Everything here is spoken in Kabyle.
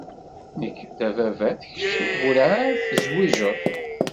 Nekk d ababat, kečč werɛad tezwiǧeḍ